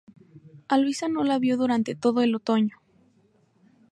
A Luisa no la vio durante todo el otoño.